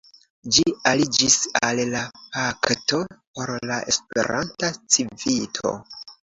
Ĝi aliĝis al la Pakto por la Esperanta Civito.